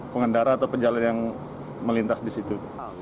pengendara atau pejalan yang melintas di situ